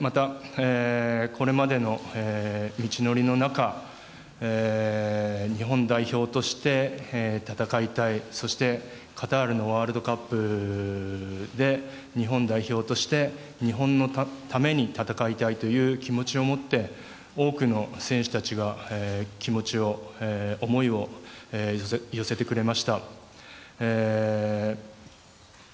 また、これまでの道のりの中日本代表として戦いたいそしてカタールのワールドカップで日本代表として日本のために戦いたいという気持ちを持って多くの選手たちが、気持ちを思いを寄せてくれました。